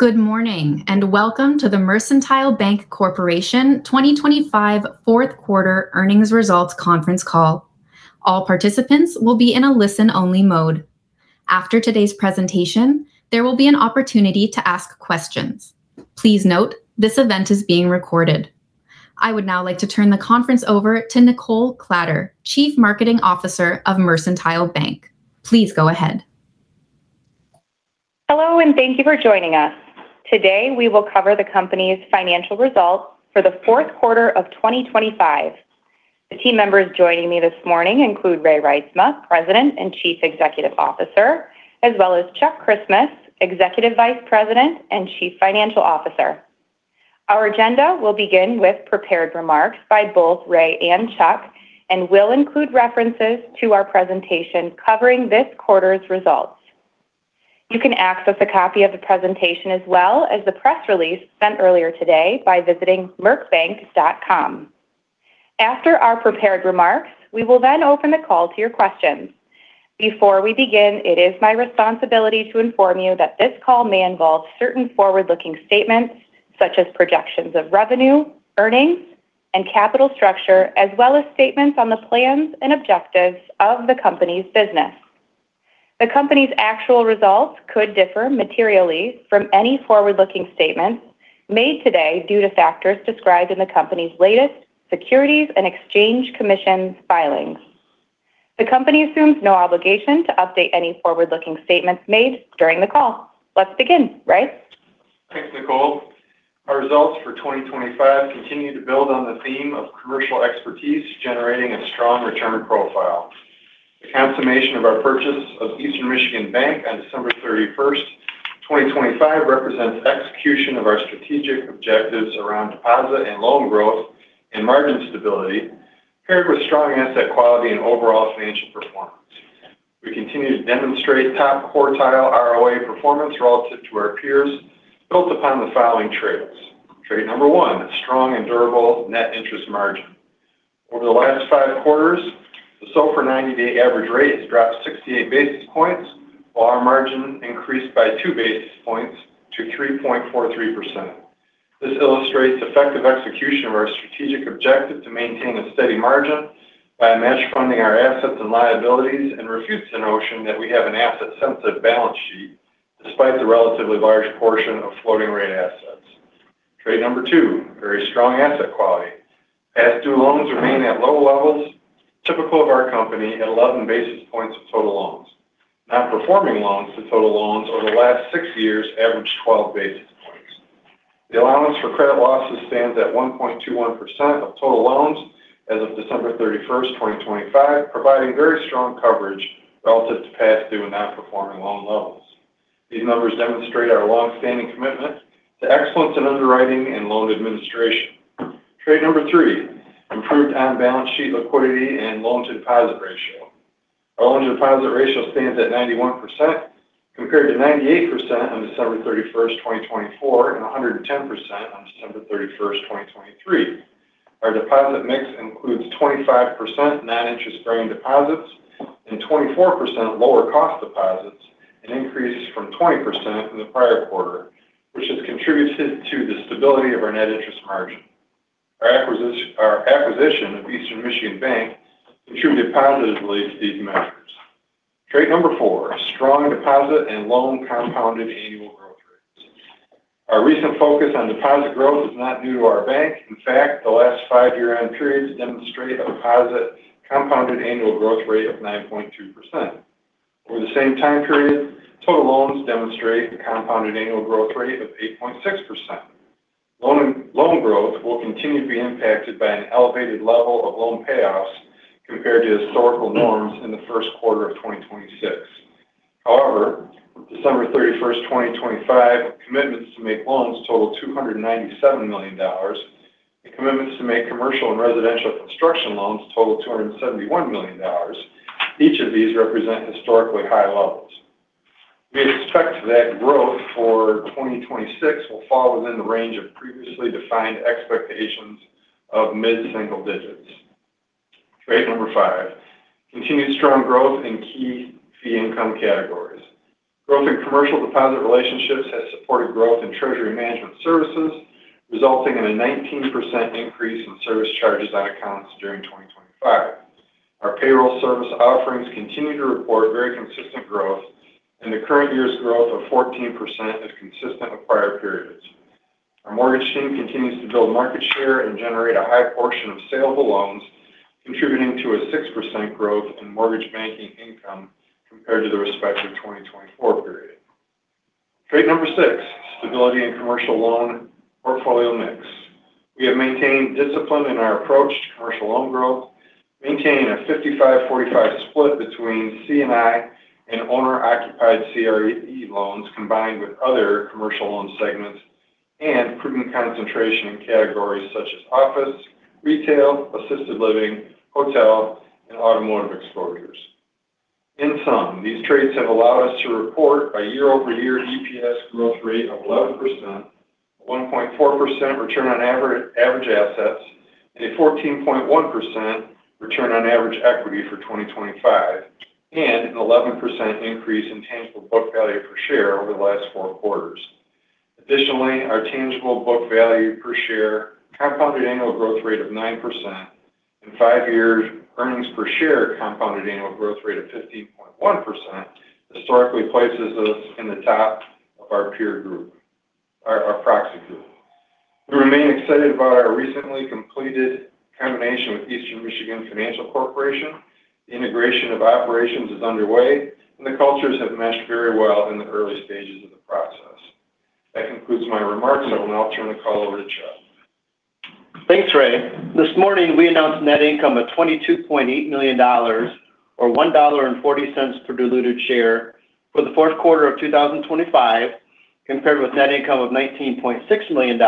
Good morning and welcome to the Mercantile Bank Corporation 2025 Fourth Quarter Earnings Results Conference Call. All participants will be in a listen-only mode. After today's presentation, there will be an opportunity to ask questions. Please note, this event is being recorded. I would now like to turn the conference over to Nichole Kladder, Chief Marketing Officer of Mercantile Bank. Please go ahead. Hello, and thank you for joining us. Today, we will cover the company's financial results for the fourth quarter of 2025. The team members joining me this morning include Ray Reitsma, President and Chief Executive Officer, as well as Chuck Christmas, Executive Vice President and Chief Financial Officer. Our agenda will begin with prepared remarks by both Ray and Chuck, and will include references to our presentation covering this quarter's results. You can access a copy of the presentation as well as the press release sent earlier today by visiting mercbank.com. After our prepared remarks, we will then open the call to your questions. Before we begin, it is my responsibility to inform you that this call may involve certain forward-looking statements, such as projections of revenue, earnings, and capital structure, as well as statements on the plans and objectives of the company's business. The company's actual results could differ materially from any forward-looking statements made today due to factors described in the company's latest Securities and Exchange Commission filings. The company assumes no obligation to update any forward-looking statements made during the call. Let's begin, Ray. Thanks, Nichole. Our results for 2025 continue to build on the theme of commercial expertise generating a strong return profile. The consummation of our purchase of Eastern Michigan Bank on December 31st, 2025, represents execution of our strategic objectives around deposit and loan growth and margin stability, paired with strong asset quality and overall financial performance. We continue to demonstrate top quartile ROA performance relative to our peers, built upon the following traits. Trait number one: strong and durable net interest margin. Over the last five quarters, the SOFR 90-day average rate has dropped 68 basis points, while our margin increased by 2 basis points to 3.43%. This illustrates effective execution of our strategic objective to maintain a steady margin by match-funding our assets and liabilities and refutes the notion that we have an asset-sensitive balance sheet despite the relatively large portion of floating-rate assets. Trait number two: very strong asset quality. Past due loans remain at low levels, typical of our company, at 11 basis points of total loans. Non-performing loans to total loans over the last six years averaged 12 basis points. The allowance for credit losses stands at 1.21% of total loans as of December 31st, 2025, providing very strong coverage relative to past due and non-performing loan levels. These numbers demonstrate our longstanding commitment to excellence in underwriting and loan administration. Trait number three: improved on-balance sheet liquidity and loan-to-deposit ratio. Our loan-to-deposit ratio stands at 91%, compared to 98% on December 31st, 2024, and 110% on December 31st, 2023. Our deposit mix includes 25% non-interest-bearing deposits and 24% lower-cost deposits, an increase from 20% in the prior quarter, which has contributed to the stability of our net interest margin. Our acquisition of Eastern Michigan Bank contributed positively to these measures. Trait number four: strong deposit and loan compounded annual growth rates. Our recent focus on deposit growth is not new to our bank. In fact, the last five year-end periods demonstrate a deposit compounded annual growth rate of 9.2%. Over the same time period, total loans demonstrate a compounded annual growth rate of 8.6%. Loan growth will continue to be impacted by an elevated level of loan payoffs compared to historical norms in the first quarter of 2026. However, December 31st, 2025, commitments to make loans total $297 million and commitments to make commercial and residential construction loans total $271 million. Each of these represents historically high levels. We expect that growth for 2026 will fall within the range of previously defined expectations of mid-single digits. Trait number five: continued strong growth in key fee-income categories. Growth in commercial deposit relationships has supported growth in treasury management services, resulting in a 19% increase in service charges on accounts during 2025. Our payroll service offerings continue to report very consistent growth, and the current year's growth of 14% is consistent with prior periods. Our mortgage team continues to build market share and generate a high portion of saleable loans, contributing to a 6% growth in mortgage banking income compared to the respective 2024 period. Trait number six: stability in commercial loan portfolio mix. We have maintained discipline in our approach to commercial loan growth, maintaining a 55-45 split between C&I and owner-occupied CRE loans combined with other commercial loan segments and prudent concentration in categories such as office, retail, assisted living, hotel, and automotive exposures. In sum, these traits have allowed us to report a year-over-year EPS growth rate of 11%, a 1.4% return on average assets, a 14.1% return on average equity for 2025, and an 11% increase in tangible book value per share over the last four quarters. Additionally, our tangible book value per share compounded annual growth rate of 9% and five-year earnings per share compounded annual growth rate of 15.1% historically places us in the top of our peer group, our proxy group. We remain excited about our recently completed combination with Eastern Michigan Financial Corporation. The integration of operations is underway, and the cultures have meshed very well in the early stages of the process. That concludes my remarks. I will now turn the call over to Chuck. Thanks, Ray. This morning, we announced net income of $22.8 million, or $1.40 per diluted share, for the fourth quarter of 2025, compared with net income of $19.6 million,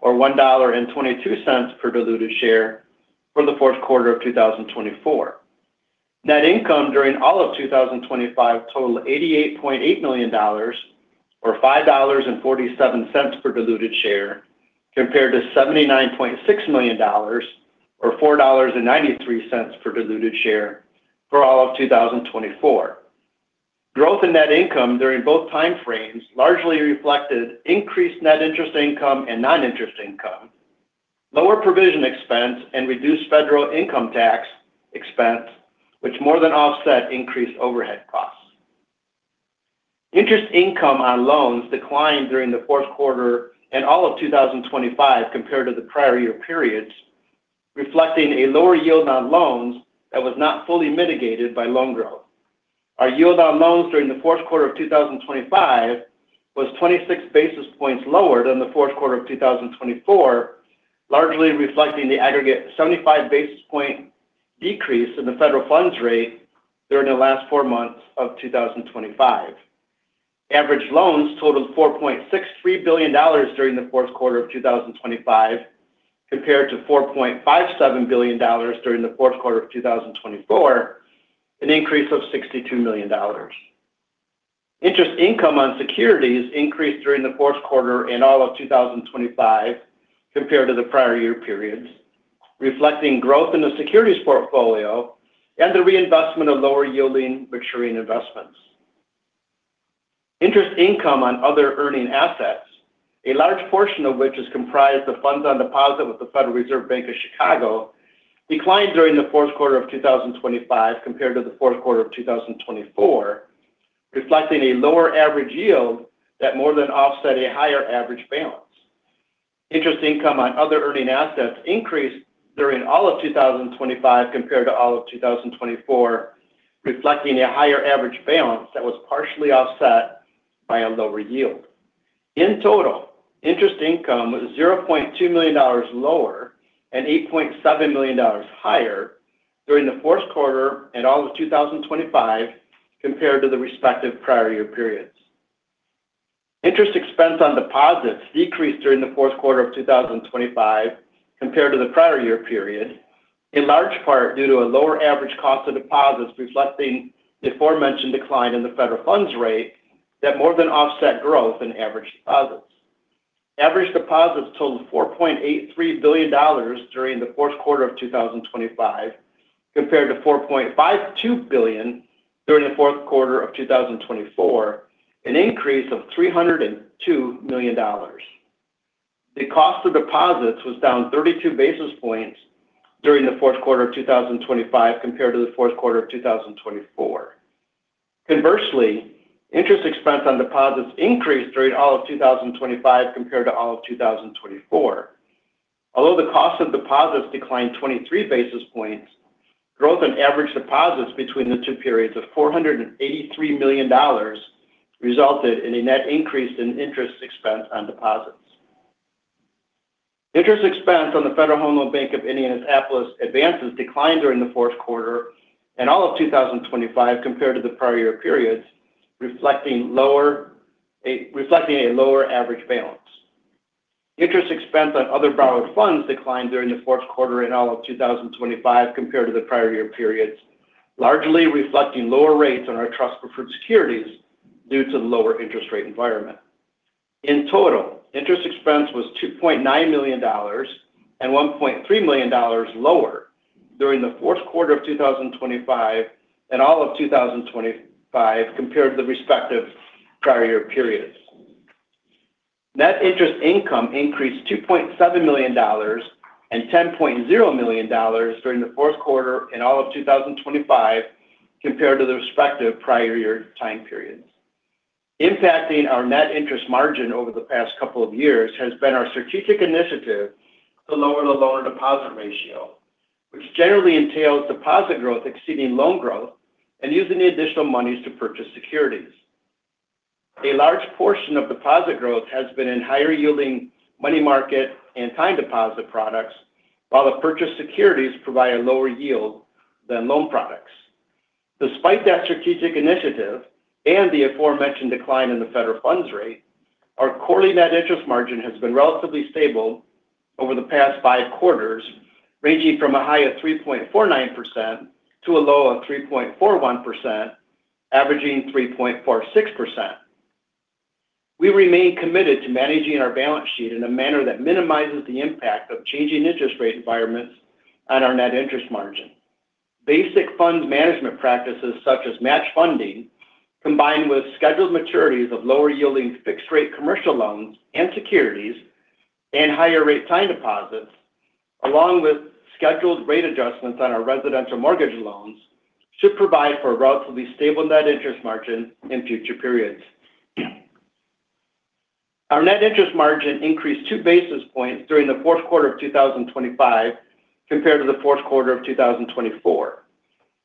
or $1.22 per diluted share, for the fourth quarter of 2024. Net income during all of 2025 totaled $88.8 million, or $5.47 per diluted share, compared to $79.6 million, or $4.93 per diluted share, for all of 2024. Growth in net income during both time frames largely reflected increased net interest income and non-interest income, lower provision expense, and reduced federal income tax expense, which more than offset increased overhead costs. Interest income on loans declined during the fourth quarter and all of 2025 compared to the prior year periods, reflecting a lower yield on loans that was not fully mitigated by loan growth. Our yield on loans during the fourth quarter of 2025 was 26 basis points lower than the fourth quarter of 2024, largely reflecting the aggregate 75 basis point decrease in the federal funds rate during the last four months of 2025. Average loans totaled $4.63 billion during the fourth quarter of 2025, compared to $4.57 billion during the fourth quarter of 2024, an increase of $62 million. Interest income on securities increased during the fourth quarter and all of 2025 compared to the prior year periods, reflecting growth in the securities portfolio and the reinvestment of lower-yielding maturing investments. Interest income on other earning assets, a large portion of which is comprised of funds on deposit with the Federal Reserve Bank of Chicago, declined during the fourth quarter of 2025 compared to the fourth quarter of 2024, reflecting a lower average yield that more than offset a higher average balance. Interest income on other earning assets increased during all of 2025 compared to all of 2024, reflecting a higher average balance that was partially offset by a lower yield. In total, interest income was $0.2 million lower and $8.7 million higher during the fourth quarter and all of 2025 compared to the respective prior year periods. Interest expense on deposits decreased during the fourth quarter of 2025 compared to the prior year period, in large part due to a lower average cost of deposits reflecting the aforementioned decline in the federal funds rate that more than offset growth in average deposits. Average deposits totaled $4.83 billion during the fourth quarter of 2025, compared to $4.52 billion during the fourth quarter of 2024, an increase of $302 million. The cost of deposits was down 32 basis points during the fourth quarter of 2025 compared to the fourth quarter of 2024. Conversely, interest expense on deposits increased during all of 2025 compared to all of 2024. Although the cost of deposits declined 23 basis points, growth in average deposits between the two periods of $483 million resulted in a net increase in interest expense on deposits. Interest expense on the Federal Home Loan Bank of Indianapolis advances declined during the fourth quarter and all of 2025 compared to the prior year periods, reflecting a lower average balance. Interest expense on other borrowed funds declined during the fourth quarter and all of 2025 compared to the prior year periods, largely reflecting lower rates on our trust-preferred securities due to the lower interest rate environment. In total, interest expense was $2.9 million and $1.3 million lower during the fourth quarter of 2025 and all of 2025 compared to the respective prior year periods. Net interest income increased $2.7 million and $10.0 million during the fourth quarter and all of 2025 compared to the respective prior year time periods. Impacting our net interest margin over the past couple of years has been our strategic initiative to lower the loan-to-deposit ratio, which generally entails deposit growth exceeding loan growth and using the additional monies to purchase securities. A large portion of deposit growth has been in higher-yielding money market and time deposit products, while the purchased securities provide a lower yield than loan products. Despite that strategic initiative and the aforementioned decline in the federal funds rate, our quarterly net interest margin has been relatively stable over the past five quarters, ranging from a high of 3.49% to a low of 3.41%, averaging 3.46%. We remain committed to managing our balance sheet in a manner that minimizes the impact of changing interest rate environments on our net interest margin. Basic funds management practices such as match-funding, combined with scheduled maturities of lower-yielding fixed-rate commercial loans and securities and higher-rate time deposits, along with scheduled rate adjustments on our residential mortgage loans, should provide for a relatively stable net interest margin in future periods. Our net interest margin increased 2 basis points during the fourth quarter of 2025 compared to the fourth quarter of 2024.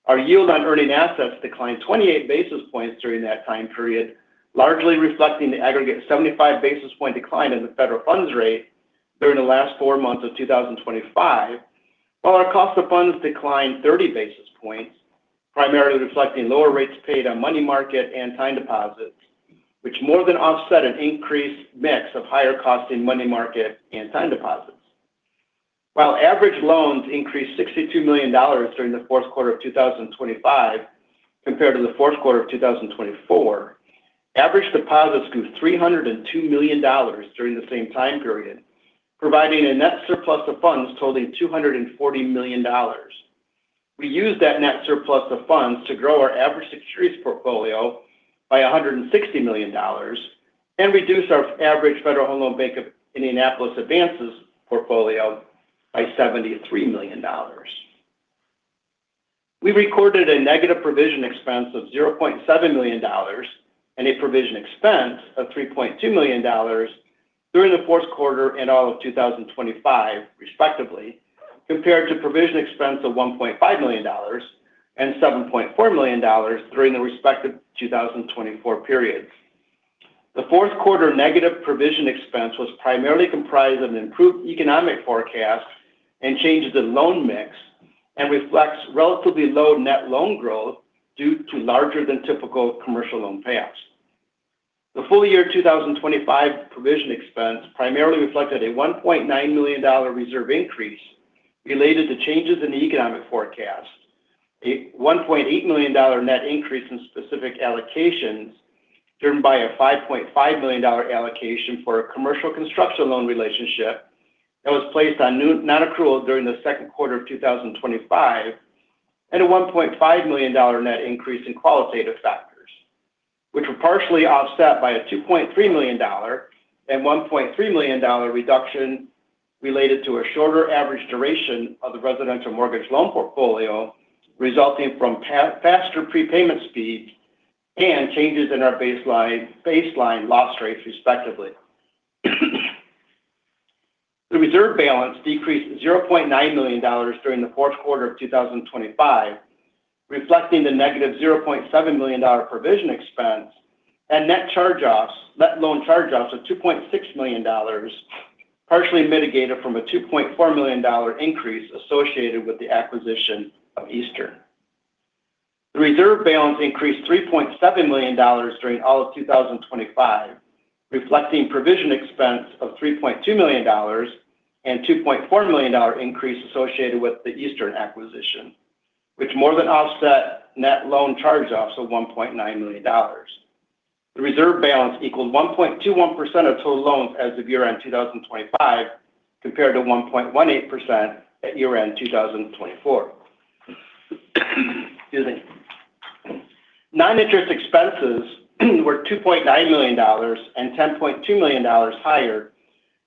Our yield on earning assets declined 28 basis points during that time period, largely reflecting the aggregate 75 basis point decline in the Federal Funds Rate during the last four months of 2025, while our cost of funds declined 30 basis points, primarily reflecting lower rates paid on money market and time deposits, which more than offset an increased mix of higher costing money market and time deposits. While average loans increased $62 million during the fourth quarter of 2025 compared to the fourth quarter of 2024, average deposits grew $302 million during the same time period, providing a net surplus of funds totaling $240 million. We used that net surplus of funds to grow our average securities portfolio by $160 million and reduce our average Federal Home Loan Bank of Indianapolis advances portfolio by $73 million. We recorded a negative provision expense of $0.7 million and a provision expense of $3.2 million during the fourth quarter and all of 2025, respectively, compared to provision expense of $1.5 million and $7.4 million during the respective 2024 periods. The fourth quarter negative provision expense was primarily comprised of an improved economic forecast and changes in loan mix and reflects relatively low net loan growth due to larger-than-typical commercial loan payoffs. The full year 2025 provision expense primarily reflected a $1.9 million reserve increase related to changes in the economic forecast, a $1.8 million net increase in specific allocations driven by a $5.5 million allocation for a commercial construction loan relationship that was placed on non-accrual during the second quarter of 2025, and a $1.5 million net increase in qualitative factors, which were partially offset by a $2.3 million and $1.3 million reduction related to a shorter average duration of the residential mortgage loan portfolio resulting from faster prepayment speed and changes in our baseline loss rates, respectively. The reserve balance decreased $0.9 million during the fourth quarter of 2025, reflecting the negative $0.7 million provision expense and net charge-offs of $2.6 million, partially offset by a $2.4 million increase associated with the acquisition of Eastern. The reserve balance increased $3.7 million during all of 2025, reflecting provision expense of $3.2 million and $2.4 million increase associated with the Eastern acquisition, which more than offset net loan charge-offs of $1.9 million. The reserve balance equaled 1.21% of total loans as of year-end 2025 compared to 1.18% at year-end 2024. Non-interest expenses were $2.9 million and $10.2 million higher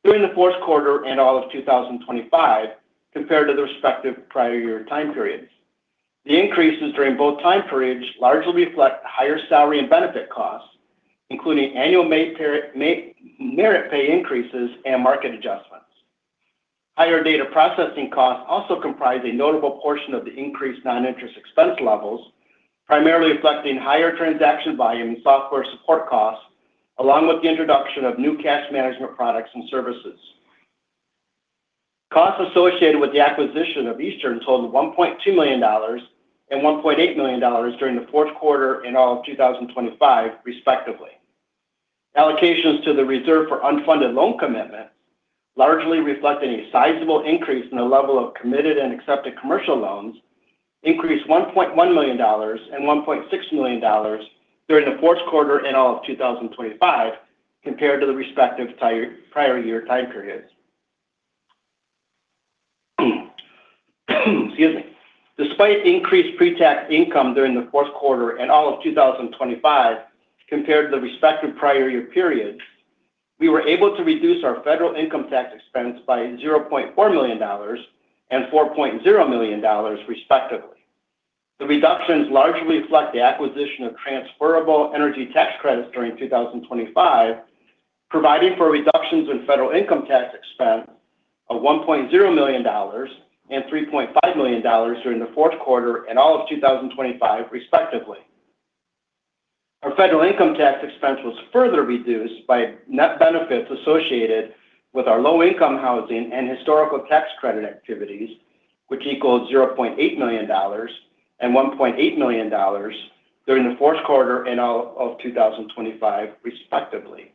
during the fourth quarter and all of 2025 compared to the respective prior year time periods. The increases during both time periods largely reflect higher salary and benefit costs, including annual merit pay increases and market adjustments. Higher data processing costs also comprise a notable portion of the increased non-interest expense levels, primarily reflecting higher transaction volume and software support costs, along with the introduction of new cash management products and services. Costs associated with the acquisition of Eastern totaled $1.2 million and $1.8 million during the fourth quarter and all of 2025, respectively. Allocations to the reserve for unfunded loan commitments, largely reflecting a sizable increase in the level of committed and accepted commercial loans, increased $1.1 million and $1.6 million during the fourth quarter and all of 2025 compared to the respective prior year time periods. Despite increased pre-tax income during the fourth quarter and all of 2025 compared to the respective prior year periods, we were able to reduce our federal income tax expense by $0.4 million and $4.0 million, respectively. The reductions largely reflect the acquisition of transferable energy tax credits during 2025, providing for reductions in federal income tax expense of $1.0 million and $3.5 million during the fourth quarter and all of 2025, respectively. Our federal income tax expense was further reduced by net benefits associated with our low-income housing and historical tax credit activities, which equaled $0.8 million and $1.8 million during the fourth quarter and all of 2025, respectively.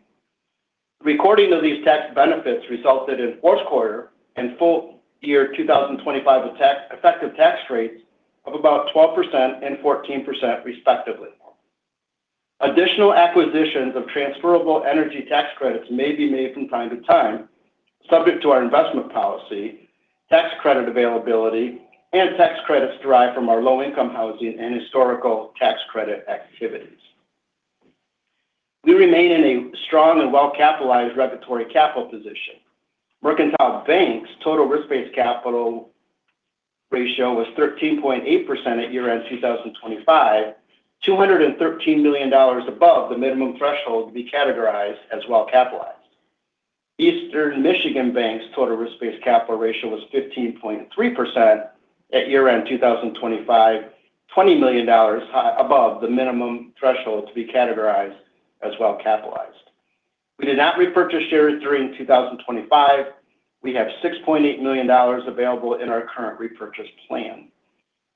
Recording of these tax benefits resulted in fourth quarter and full year 2025 effective tax rates of about 12% and 14%, respectively. Additional acquisitions of transferable energy tax credits may be made from time to time, subject to our investment policy, tax credit availability, and tax credits derived from our low-income housing and historical tax credit activities. We remain in a strong and well-capitalized regulatory capital position. Mercantile Bank's total risk-based capital ratio was 13.8% at year-end 2025, $213 million above the minimum threshold to be categorized as well-capitalized. Eastern Michigan Bank's total risk-based capital ratio was 15.3% at year-end 2025, $20 million above the minimum threshold to be categorized as well-capitalized. We did not repurchase shares during 2025. We have $6.8 million available in our current repurchase plan.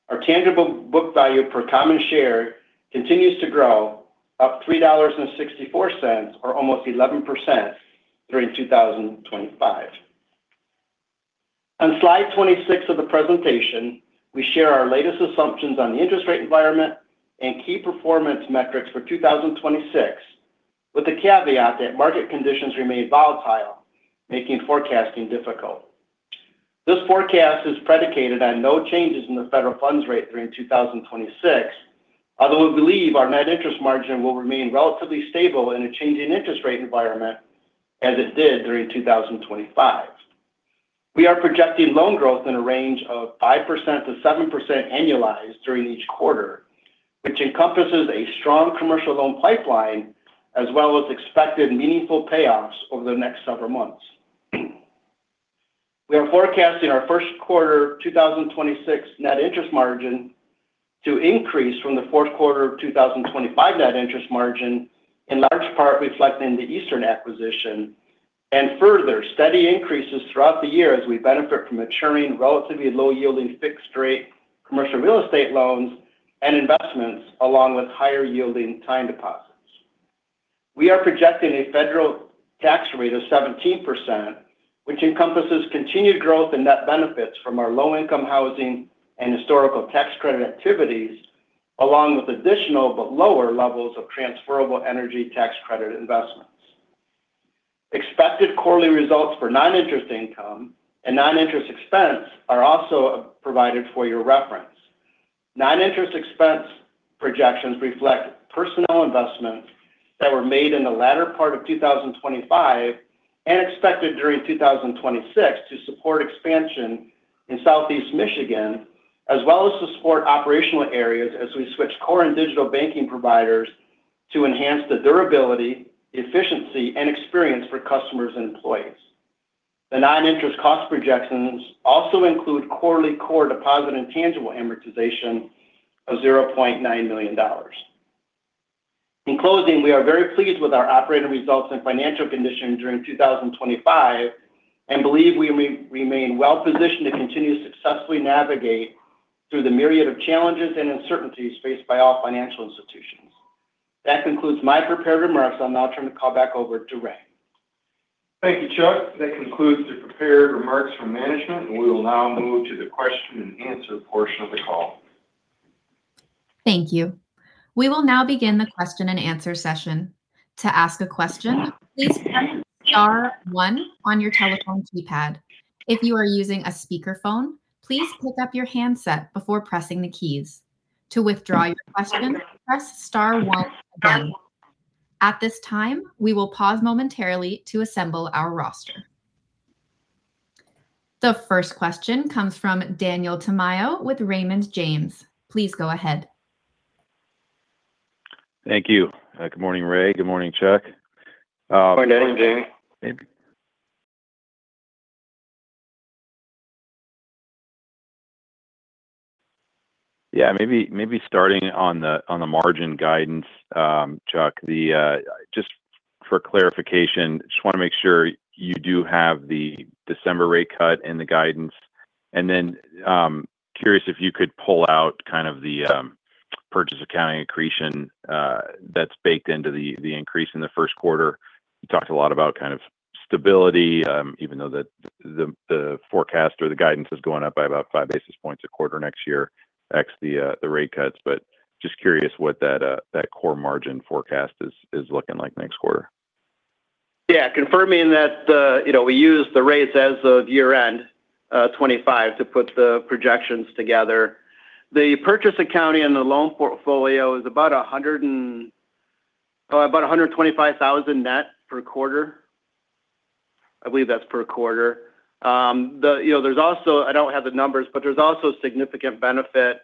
Our tangible book value per common share continues to grow, up $3.64, or almost 11%, during 2025. On slide 26 of the presentation, we share our latest assumptions on the interest rate environment and key performance metrics for 2026, with the caveat that market conditions remain volatile, making forecasting difficult. This forecast is predicated on no changes in the Federal Funds Rate during 2026, although we believe our net interest margin will remain relatively stable in a changing interest rate environment as it did during 2025. We are projecting loan growth in a range of 5%-7% annualized during each quarter, which encompasses a strong commercial loan pipeline as well as expected meaningful payoffs over the next several months. We are forecasting our first quarter 2026 net interest margin to increase from the fourth quarter 2025 net interest margin, in large part reflecting the Eastern acquisition and further steady increases throughout the year as we benefit from maturing relatively low-yielding fixed-rate commercial real estate loans and investments, along with higher-yielding time deposits. We are projecting a federal tax rate of 17%, which encompasses continued growth in net benefits from our low-income housing and historical tax credit activities, along with additional but lower levels of transferable energy tax credit investments. Expected quarterly results for non-interest income and non-interest expense are also provided for your reference. Non-interest expense projections reflect personal investments that were made in the latter part of 2025 and expected during 2026 to support expansion in Southeast Michigan, as well as to support operational areas as we switch core and digital banking providers to enhance the durability, efficiency, and experience for customers and employees. The non-interest cost projections also include quarterly core deposit intangible amortization of $0.9 million. In closing, we are very pleased with our operating results and financial condition during 2025 and believe we remain well-positioned to continue to successfully navigate through the myriad of challenges and uncertainties faced by all financial institutions. That concludes my prepared remarks. I'll now turn the call back over to Ray. Thank you, Chuck. That concludes the prepared remarks from management. We will now move to the question-and-answer portion of the call. Thank you. We will now begin the question-and-answer session. To ask a question, please press star one on your telephone keypad. If you are using a speakerphone, please pick up your handset before pressing the keys. To withdraw your question, press star one again. At this time, we will pause momentarily to assemble our roster. The first question comes from Daniel Tamayo with Raymond James. Please go ahead. Thank you. Good morning, Ray. Good morning, Chuck. Good morning, Danny. Yeah, maybe starting on the margin guidance, Chuck. Just for clarification, I just want to make sure you do have the December rate cut in the guidance. And then, curious if you could pull out kind of the purchase accounting accretion that's baked into the increase in the first quarter. You talked a lot about kind of stability, even though the forecast or the guidance is going up by about five basis points a quarter next year ex the rate cuts. But just curious what that core margin forecast is looking like next quarter. Yeah, confirming that we use the rates as of year-end 2025 to put the projections together. The purchase accounting and the loan portfolio is about $125,000 net per quarter. I believe that's per quarter. I don't have the numbers, but there's also significant benefit,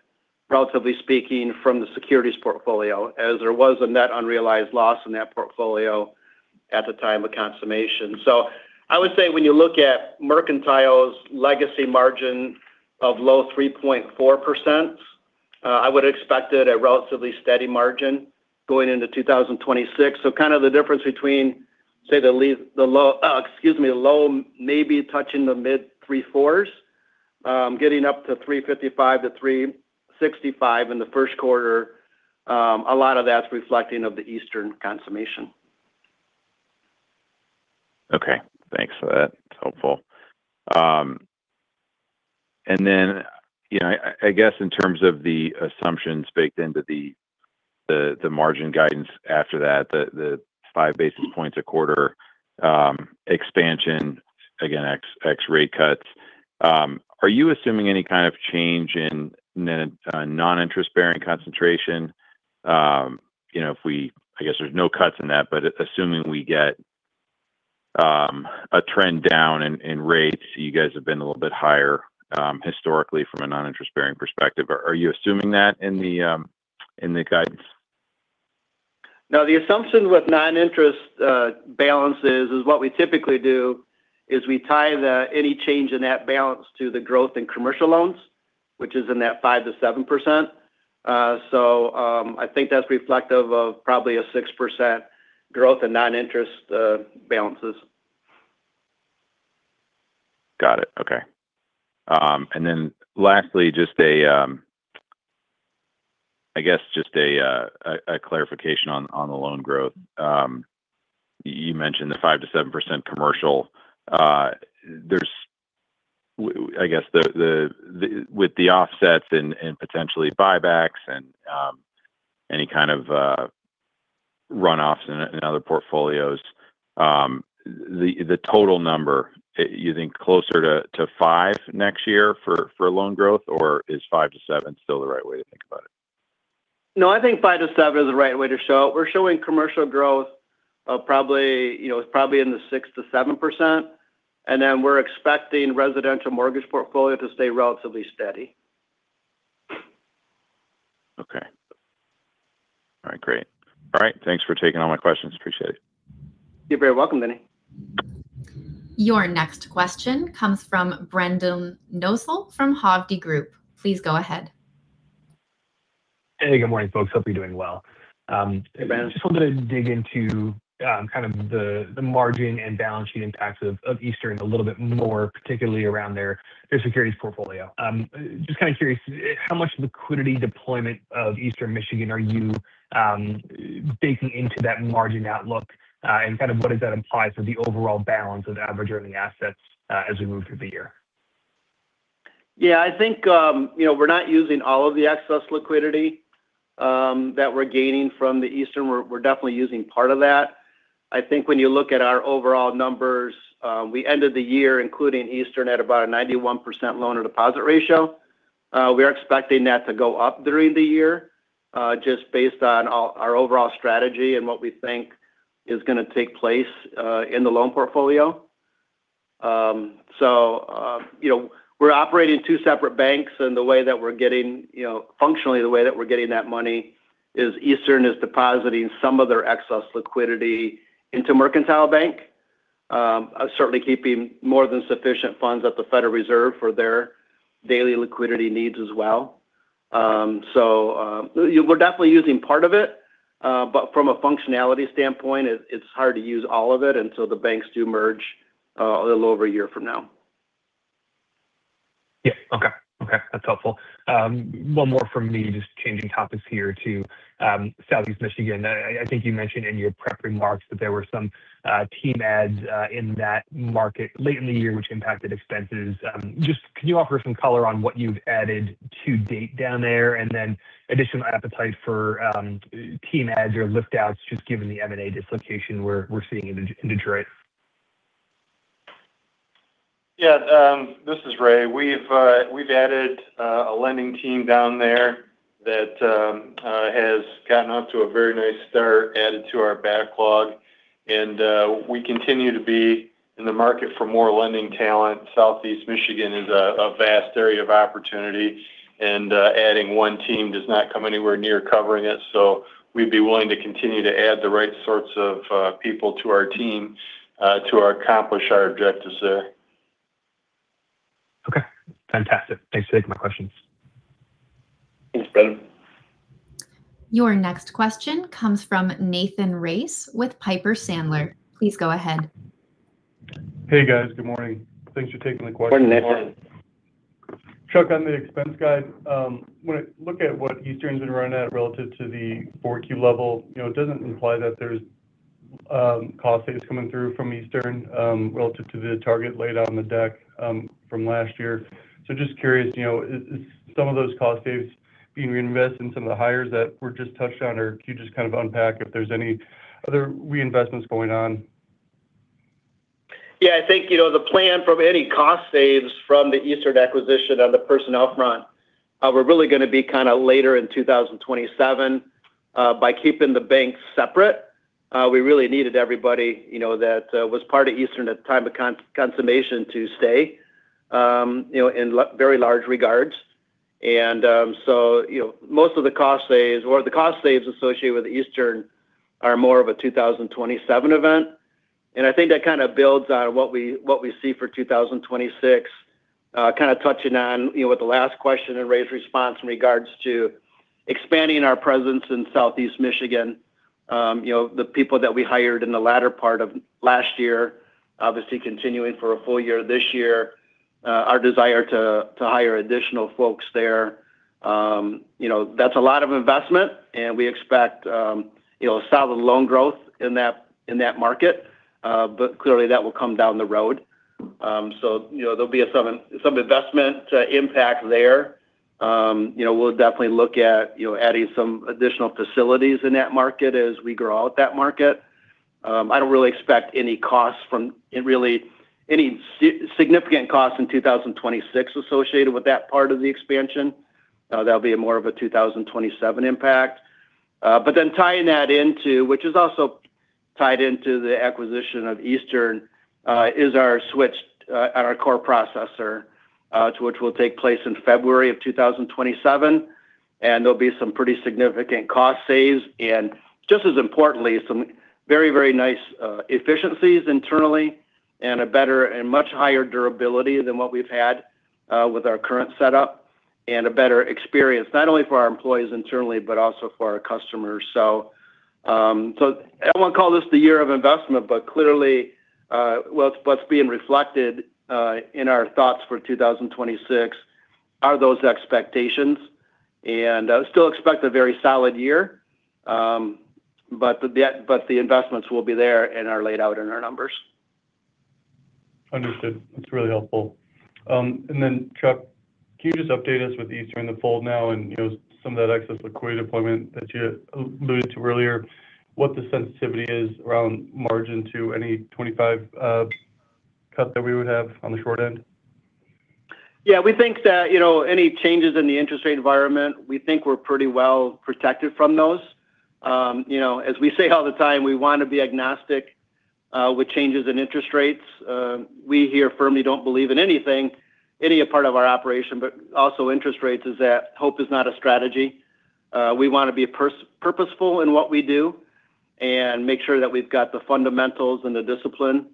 relatively speaking, from the securities portfolio, as there was a net unrealized loss in that portfolio at the time of consummation. So I would say when you look at Mercantile's legacy margin of low 3.4%, I would expect it at a relatively steady margin going into 2026. So, kind of the difference between, say, the low, excuse me, low maybe touching the mid-three-fours, getting up to 355-365 in the first quarter, a lot of that's reflecting of the Eastern consummation. Okay. Thanks for that. It's helpful. And then I guess in terms of the assumptions baked into the margin guidance after that, the five basis points a quarter expansion, again, ex rate cuts, are you assuming any kind of change in non-interest-bearing concentration? I guess there's no cuts in that, but assuming we get a trend down in rates, you guys have been a little bit higher historically from a non-interest-bearing perspective. Are you assuming that in the guidance? No, the assumption with non-interest balances is what we typically do is we tie any change in that balance to the growth in commercial loans, which is in that 5%-7%. So I think that's reflective of probably a 6% growth in non-interest balances. Got it. Okay. And then lastly, I guess just a clarification on the loan growth. You mentioned the 5%-7% commercial. I guess with the offsets and potentially buybacks and any kind of runoffs in other portfolios, the total number, you think closer to five next year for loan growth, or is five to seven still the right way to think about it? No, I think five to seven is the right way to show it. We're showing commercial growth of probably in the 6%-7%. And then we're expecting residential mortgage portfolio to stay relatively steady. Okay. All right. Great. All right. Thanks for taking all my questions. Appreciate it. You're very welcome, Danny. Your next question comes from Brendan Nosal from Hovde Group. Please go ahead. Hey, good morning, folks. Hope you're doing well. Hey, Brendan. Just wanted to dig into kind of the margin and balance sheet impacts of Eastern a little bit more, particularly around their securities portfolio. Just kind of curious, how much liquidity deployment of Eastern Michigan are you baking into that margin outlook and kind of what does that imply for the overall balance of average earning assets as we move through the year? Yeah, I think we're not using all of the excess liquidity that we're gaining from the Eastern. We're definitely using part of that. I think when you look at our overall numbers, we ended the year including Eastern at about a 91% loan-to-deposit ratio. We are expecting that to go up during the year just based on our overall strategy and what we think is going to take place in the loan portfolio. So we're operating two separate banks, and the way that we're getting functionally, the way that we're getting that money is Eastern is depositing some of their excess liquidity into Mercantile Bank, certainly keeping more than sufficient funds at the Federal Reserve for their daily liquidity needs as well. So we're definitely using part of it, but from a functionality standpoint, it's hard to use all of it until the banks do merge a little over a year from now. Yeah. Okay. Okay. That's helpful. One more from me, just changing topics here to Southeast Michigan. I think you mentioned in your prep remarks that there were some team adds in that market late in the year, which impacted expenses. Just can you offer some color on what you've added to date down there and then additional appetite for team adds or liftouts just given the M&A dislocation we're seeing in Detroit? Yeah. This is Ray. We've added a lending team down there that has gotten off to a very nice start, added to our backlog. And we continue to be in the market for more lending talent. Southeast Michigan is a vast area of opportunity, and adding one team does not come anywhere near covering it. So we'd be willing to continue to add the right sorts of people to our team to accomplish our objectives there. Okay. Fantastic. Thanks for taking my questions. Thanks, Brendan. Your next question comes from Nathan Race with Piper Sandler. Please go ahead. Hey, guys. Good morning. Thanks for taking the question. Morning, Nathan. Chuck, on the expense guide, when I look at what Eastern's been running at relative to the 4Q level, it doesn't imply that there's cost savings coming through from Eastern relative to the target laid out on the deck from last year. So just curious, some of those cost savings being reinvested in some of the hires that we're just touched on, or can you just kind of unpack if there's any other reinvestments going on? Yeah. I think the plan for any cost savings from the Eastern acquisition on the personnel front, we're really going to be kind of later in 2027. By keeping the banks separate, we really needed everybody that was part of Eastern at the time of consummation to stay in very large regards. And so most of the cost savings or the cost savings associated with Eastern are more of a 2027 event. And I think that kind of builds on what we see for 2026, kind of touching on what the last question and Ray's response in regards to expanding our presence in Southeast Michigan. The people that we hired in the latter part of last year, obviously continuing for a full year this year, our desire to hire additional folks there. That's a lot of investment, and we expect solid loan growth in that market, but clearly that will come down the road. So there'll be some investment impact there. We'll definitely look at adding some additional facilities in that market as we grow out that market. I don't really expect any costs from really any significant costs in 2026 associated with that part of the expansion. That'll be more of a 2027 impact. But then tying that into, which is also tied into the acquisition of Eastern, is our switch on our core processor, which will take place in February of 2027. And there'll be some pretty significant cost saves and just as importantly, some very, very nice efficiencies internally and a better and much higher durability than what we've had with our current setup and a better experience, not only for our employees internally, but also for our customers. So I won't call this the year of investment, but clearly, what's being reflected in our thoughts for 2026 are those expectations. And I still expect a very solid year, but the investments will be there and are laid out in our numbers. Understood. That's really helpful. Then, Chuck, can you just update us with Eastern in the fold now and some of that excess liquidity deployment that you alluded to earlier, what the sensitivity is around margin to any 25 cut that we would have on the short end? Yeah. We think that any changes in the interest rate environment, we think we're pretty well protected from those. As we say all the time, we want to be agnostic with changes in interest rates. We here firmly don't believe in anything, any part of our operation, but also interest rates is that hope is not a strategy. We want to be purposeful in what we do and make sure that we've got the fundamentals and the discipline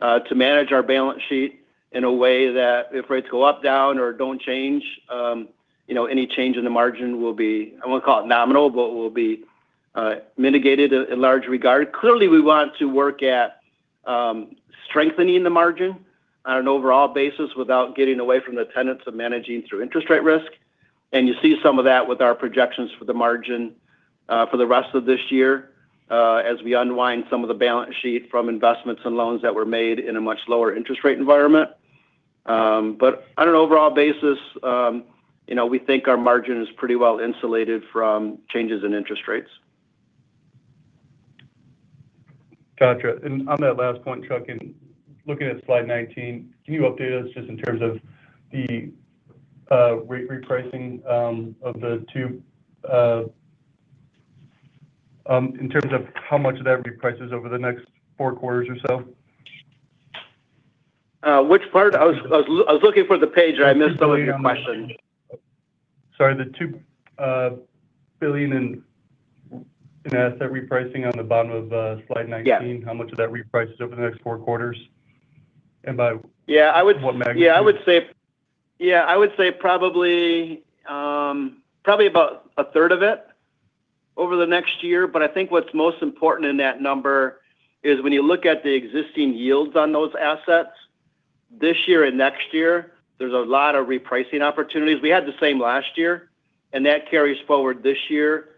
to manage our balance sheet in a way that if rates go up, down, or don't change, any change in the margin will be - I won't call it nominal, but will be mitigated in large regard. Clearly, we want to work at strengthening the margin on an overall basis without getting away from the tenets of managing through interest rate risk. And you see some of that with our projections for the margin for the rest of this year as we unwind some of the balance sheet from investments and loans that were made in a much lower interest rate environment. But on an overall basis, we think our margin is pretty well insulated from changes in interest rates. Gotcha. On that last point, Chuck, and looking at slide 19, can you update us just in terms of the rate repricing of the $2 billion in terms of how much that reprices over the next four quarters or so? Which part? I was looking for the page, and I missed some of your questions. Sorry. The $2 billion in asset repricing on the bottom of slide 19, how much of that reprices over the next four quarters? And by what magnitude? Yeah. I would say probably about a third of it over the next year. But I think what's most important in that number is when you look at the existing yields on those assets this year and next year, there's a lot of repricing opportunities. We had the same last year, and that carries forward this year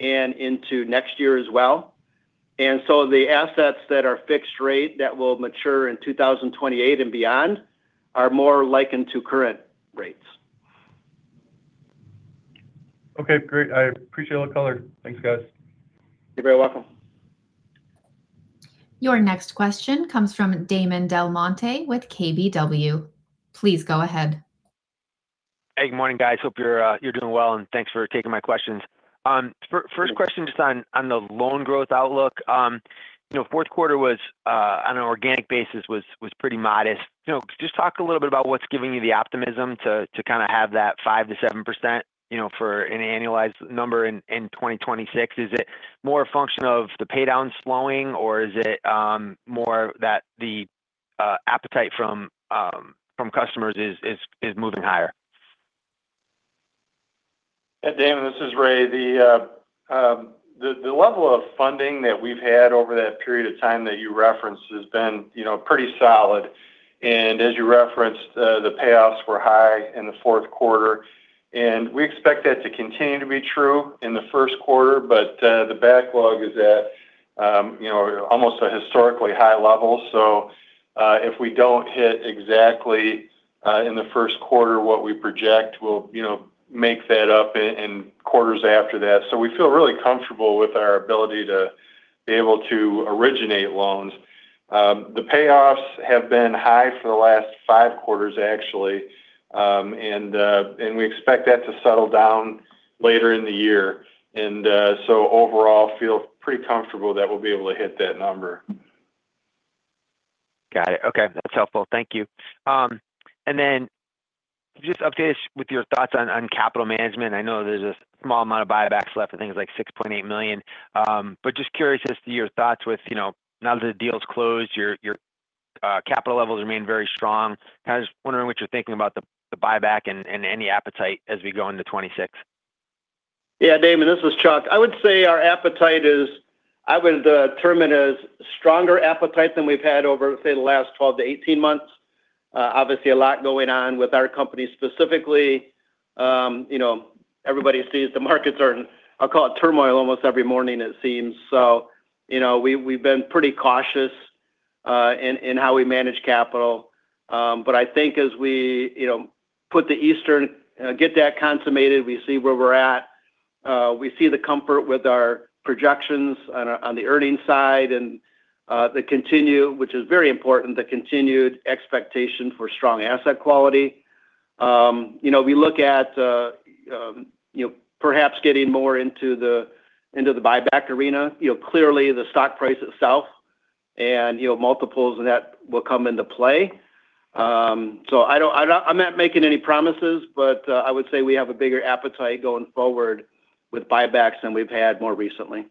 and into next year as well. And so the assets that are fixed rate that will mature in 2028 and beyond are more likened to current rates. Okay. Great. I appreciate all the color. Thanks, guys. You're very welcome. Your next question comes from Damon DelMonte with KBW. Please go ahead. Hey, good morning, guys. Hope you're doing well, and thanks for taking my questions. First question just on the loan growth outlook. Fourth quarter was, on an organic basis, pretty modest. Just talk a little bit about what's giving you the optimism to kind of have that 5%-7% for an annualized number in 2026. Is it more a function of the paydown slowing, or is it more that the appetite from customers is moving higher? Hey, Damon. This is Ray. The level of funding that we've had over that period of time that you referenced has been pretty solid. As you referenced, the payoffs were high in the fourth quarter. We expect that to continue to be true in the first quarter, but the backlog is at almost a historically high level. So if we don't hit exactly in the first quarter what we project, we'll make that up in quarters after that. So we feel really comfortable with our ability to be able to originate loans. The payoffs have been high for the last five quarters, actually, and we expect that to settle down later in the year. And so overall, I feel pretty comfortable that we'll be able to hit that number. Got it. Okay. That's helpful. Thank you. And then just update us with your thoughts on capital management. I know there's a small amount of buybacks left, I think it's like $6.8 million. But just curious as to your thoughts with now that the deal's closed, your capital levels remain very strong. Kind of just wondering what you're thinking about the buyback and any appetite as we go into 2026. Yeah, Damon. This is Chuck. I would say our appetite is I would term it as stronger appetite than we've had over, say, the last 12-18 months. Obviously, a lot going on with our company specifically. Everybody sees the markets are in, I'll call it turmoil, almost every morning, it seems. So we've been pretty cautious in how we manage capital. But I think as we put the Eastern, get that consummated, we see where we're at. We see the comfort with our projections on the earnings side and the continued, which is very important, the continued expectation for strong asset quality. We look at perhaps getting more into the buyback arena. Clearly, the stock price itself and multiples of that will come into play. So I'm not making any promises, but I would say we have a bigger appetite going forward with buybacks than we've had more recently.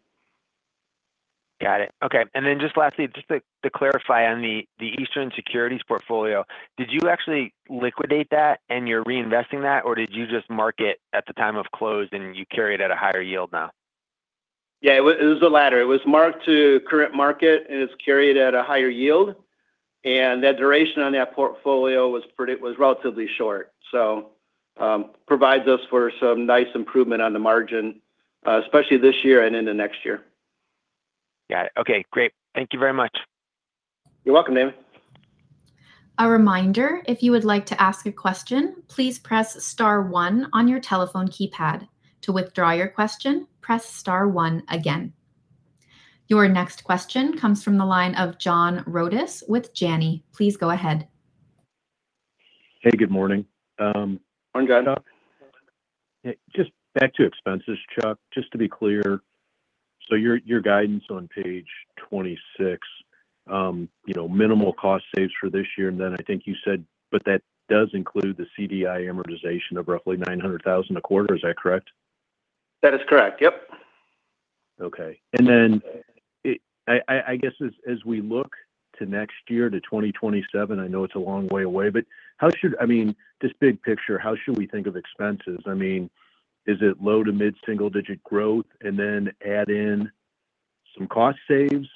Got it. Okay. And then just lastly, just to clarify on the Eastern securities portfolio, did you actually liquidate that and you're reinvesting that, or did you just mark it at the time of close and you carry it at a higher yield now? Yeah. It was the latter. It was marked to current market, and it's carried at a higher yield. And that duration on that portfolio was relatively short, so it provides us for some nice improvement on the margin, especially this year and into next year. Got it. Okay. Great. Thank you very much. You're welcome, Damon. A reminder, if you would like to ask a question, please press star one on your telephone keypad. To withdraw your question, press star one again. Your next question comes from the line of John Rodis with Janney. Please go ahead. Hey, good morning. Morning. Just back to expenses, Chuck. Just to be clear, so your guidance on page 26, minimal cost saves for this year, and then I think you said, but that does include the CDI amortization of roughly $900,000 a quarter. Is that correct? That is correct. Yep. Okay. And then I guess as we look to next year, to 2027, I know it is a long way away, but I mean, just big picture, how should we think of expenses? I mean, is it low to mid-single-digit growth and then add in some cost saves?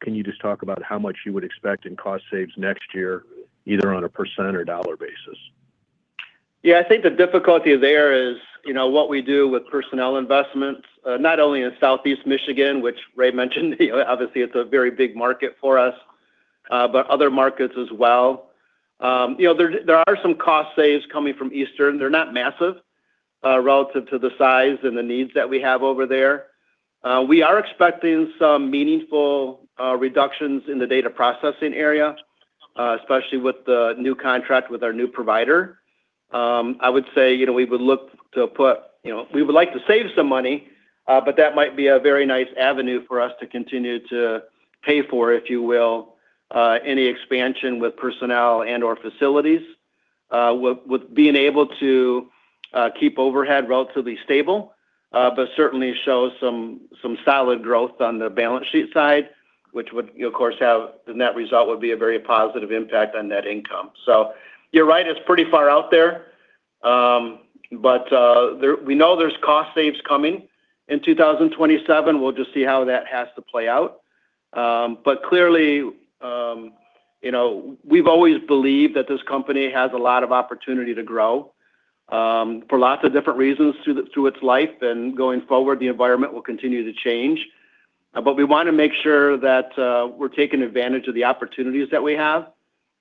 Can you just talk about how much you would expect in cost savings next year, either on a percent or dollar basis? Yeah. I think the difficulty there is what we do with personnel investments, not only in Southeast Michigan, which Ray mentioned. Obviously, it is a very big market for us, but other markets as well. There are some cost savings coming from Eastern. They are not massive relative to the size and the needs that we have over there. We are expecting some meaningful reductions in the data processing area, especially with the new contract with our new provider. I would say we would like to save some money, but that might be a very nice avenue for us to continue to pay for, if you will, any expansion with personnel and/or facilities, with being able to keep overhead relatively stable, but certainly show some solid growth on the balance sheet side, which would, of course, have that result would be a very positive impact on net income, so you're right. It's pretty far out there, but we know there's cost savings coming in 2027. We'll just see how that has to play out, but clearly, we've always believed that this company has a lot of opportunity to grow for lots of different reasons through its life, and going forward, the environment will continue to change, but we want to make sure that we're taking advantage of the opportunities that we have.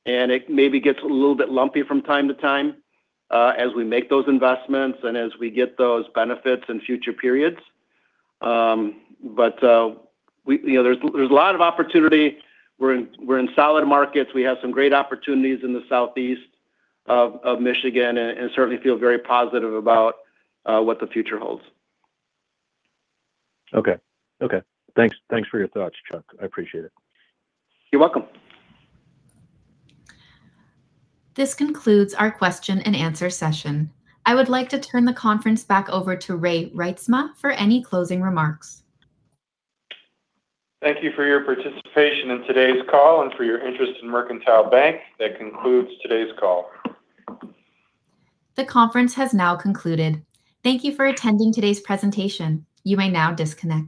And it maybe gets a little bit lumpy from time to time as we make those investments and as we get those benefits in future periods. But there's a lot of opportunity. We're in solid markets. We have some great opportunities in the Southeast Michigan and certainly feel very positive about what the future holds. Okay. Okay. Thanks for your thoughts, Chuck. I appreciate it. You're welcome. This concludes our question-and-answer session. I would like to turn the conference back over to Ray Reitsma for any closing remarks. Thank you for your participation in today's call and for your interest in Mercantile Bank. That concludes today's call. The conference has now concluded. Thank you for attending today's presentation. You may now disconnect.